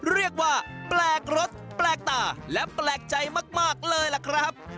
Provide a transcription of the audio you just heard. เรียกว่าแปลกรสแปลกตาและแปลกใจมากเลยล่ะครับ